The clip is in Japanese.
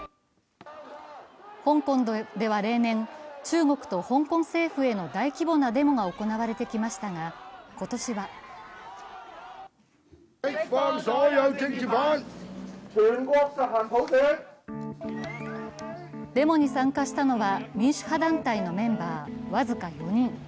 香港では例年、中国と香港政府への大規模なデモが行われてきましたが、今年はデモに参加したのは民主派団体のメンバー僅か４人。